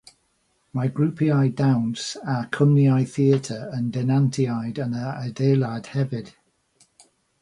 Mae grwpiau dawns a chwmnïau theatr yn denantiaid yn yr adeilad hefyd.